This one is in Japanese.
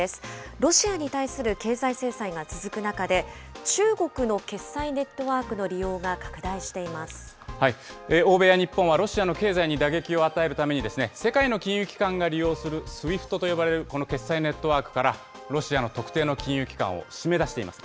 ロシアに対する経済制裁が続く中で、中国の決済ネットワークの利欧米や日本はロシアの経済に打撃を与えるために、世界の金融機関が利用するＳＷＩＦＴと呼ばれるこの決済ネットワークから、ロシアの特定の金融機関を締め出しています。